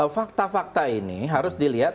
fakta fakta ini harus dilihat